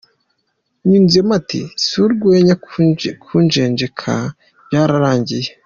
Yunzemo ati “Si urwenya, kujenjeka byararangiye.